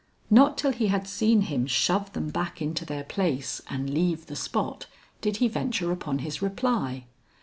Not till he had seen him shove them back into their place and leave the spot, did he venture upon his reply.